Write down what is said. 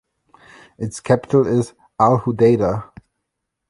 Its capital is Al Hudaydah.